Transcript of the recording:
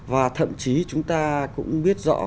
và thậm chí chúng ta cũng biết rõ